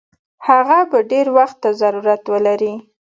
هغه به ډېر وخت ته ضرورت ولري.